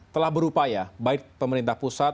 telah berupaya baik pemerintah pusat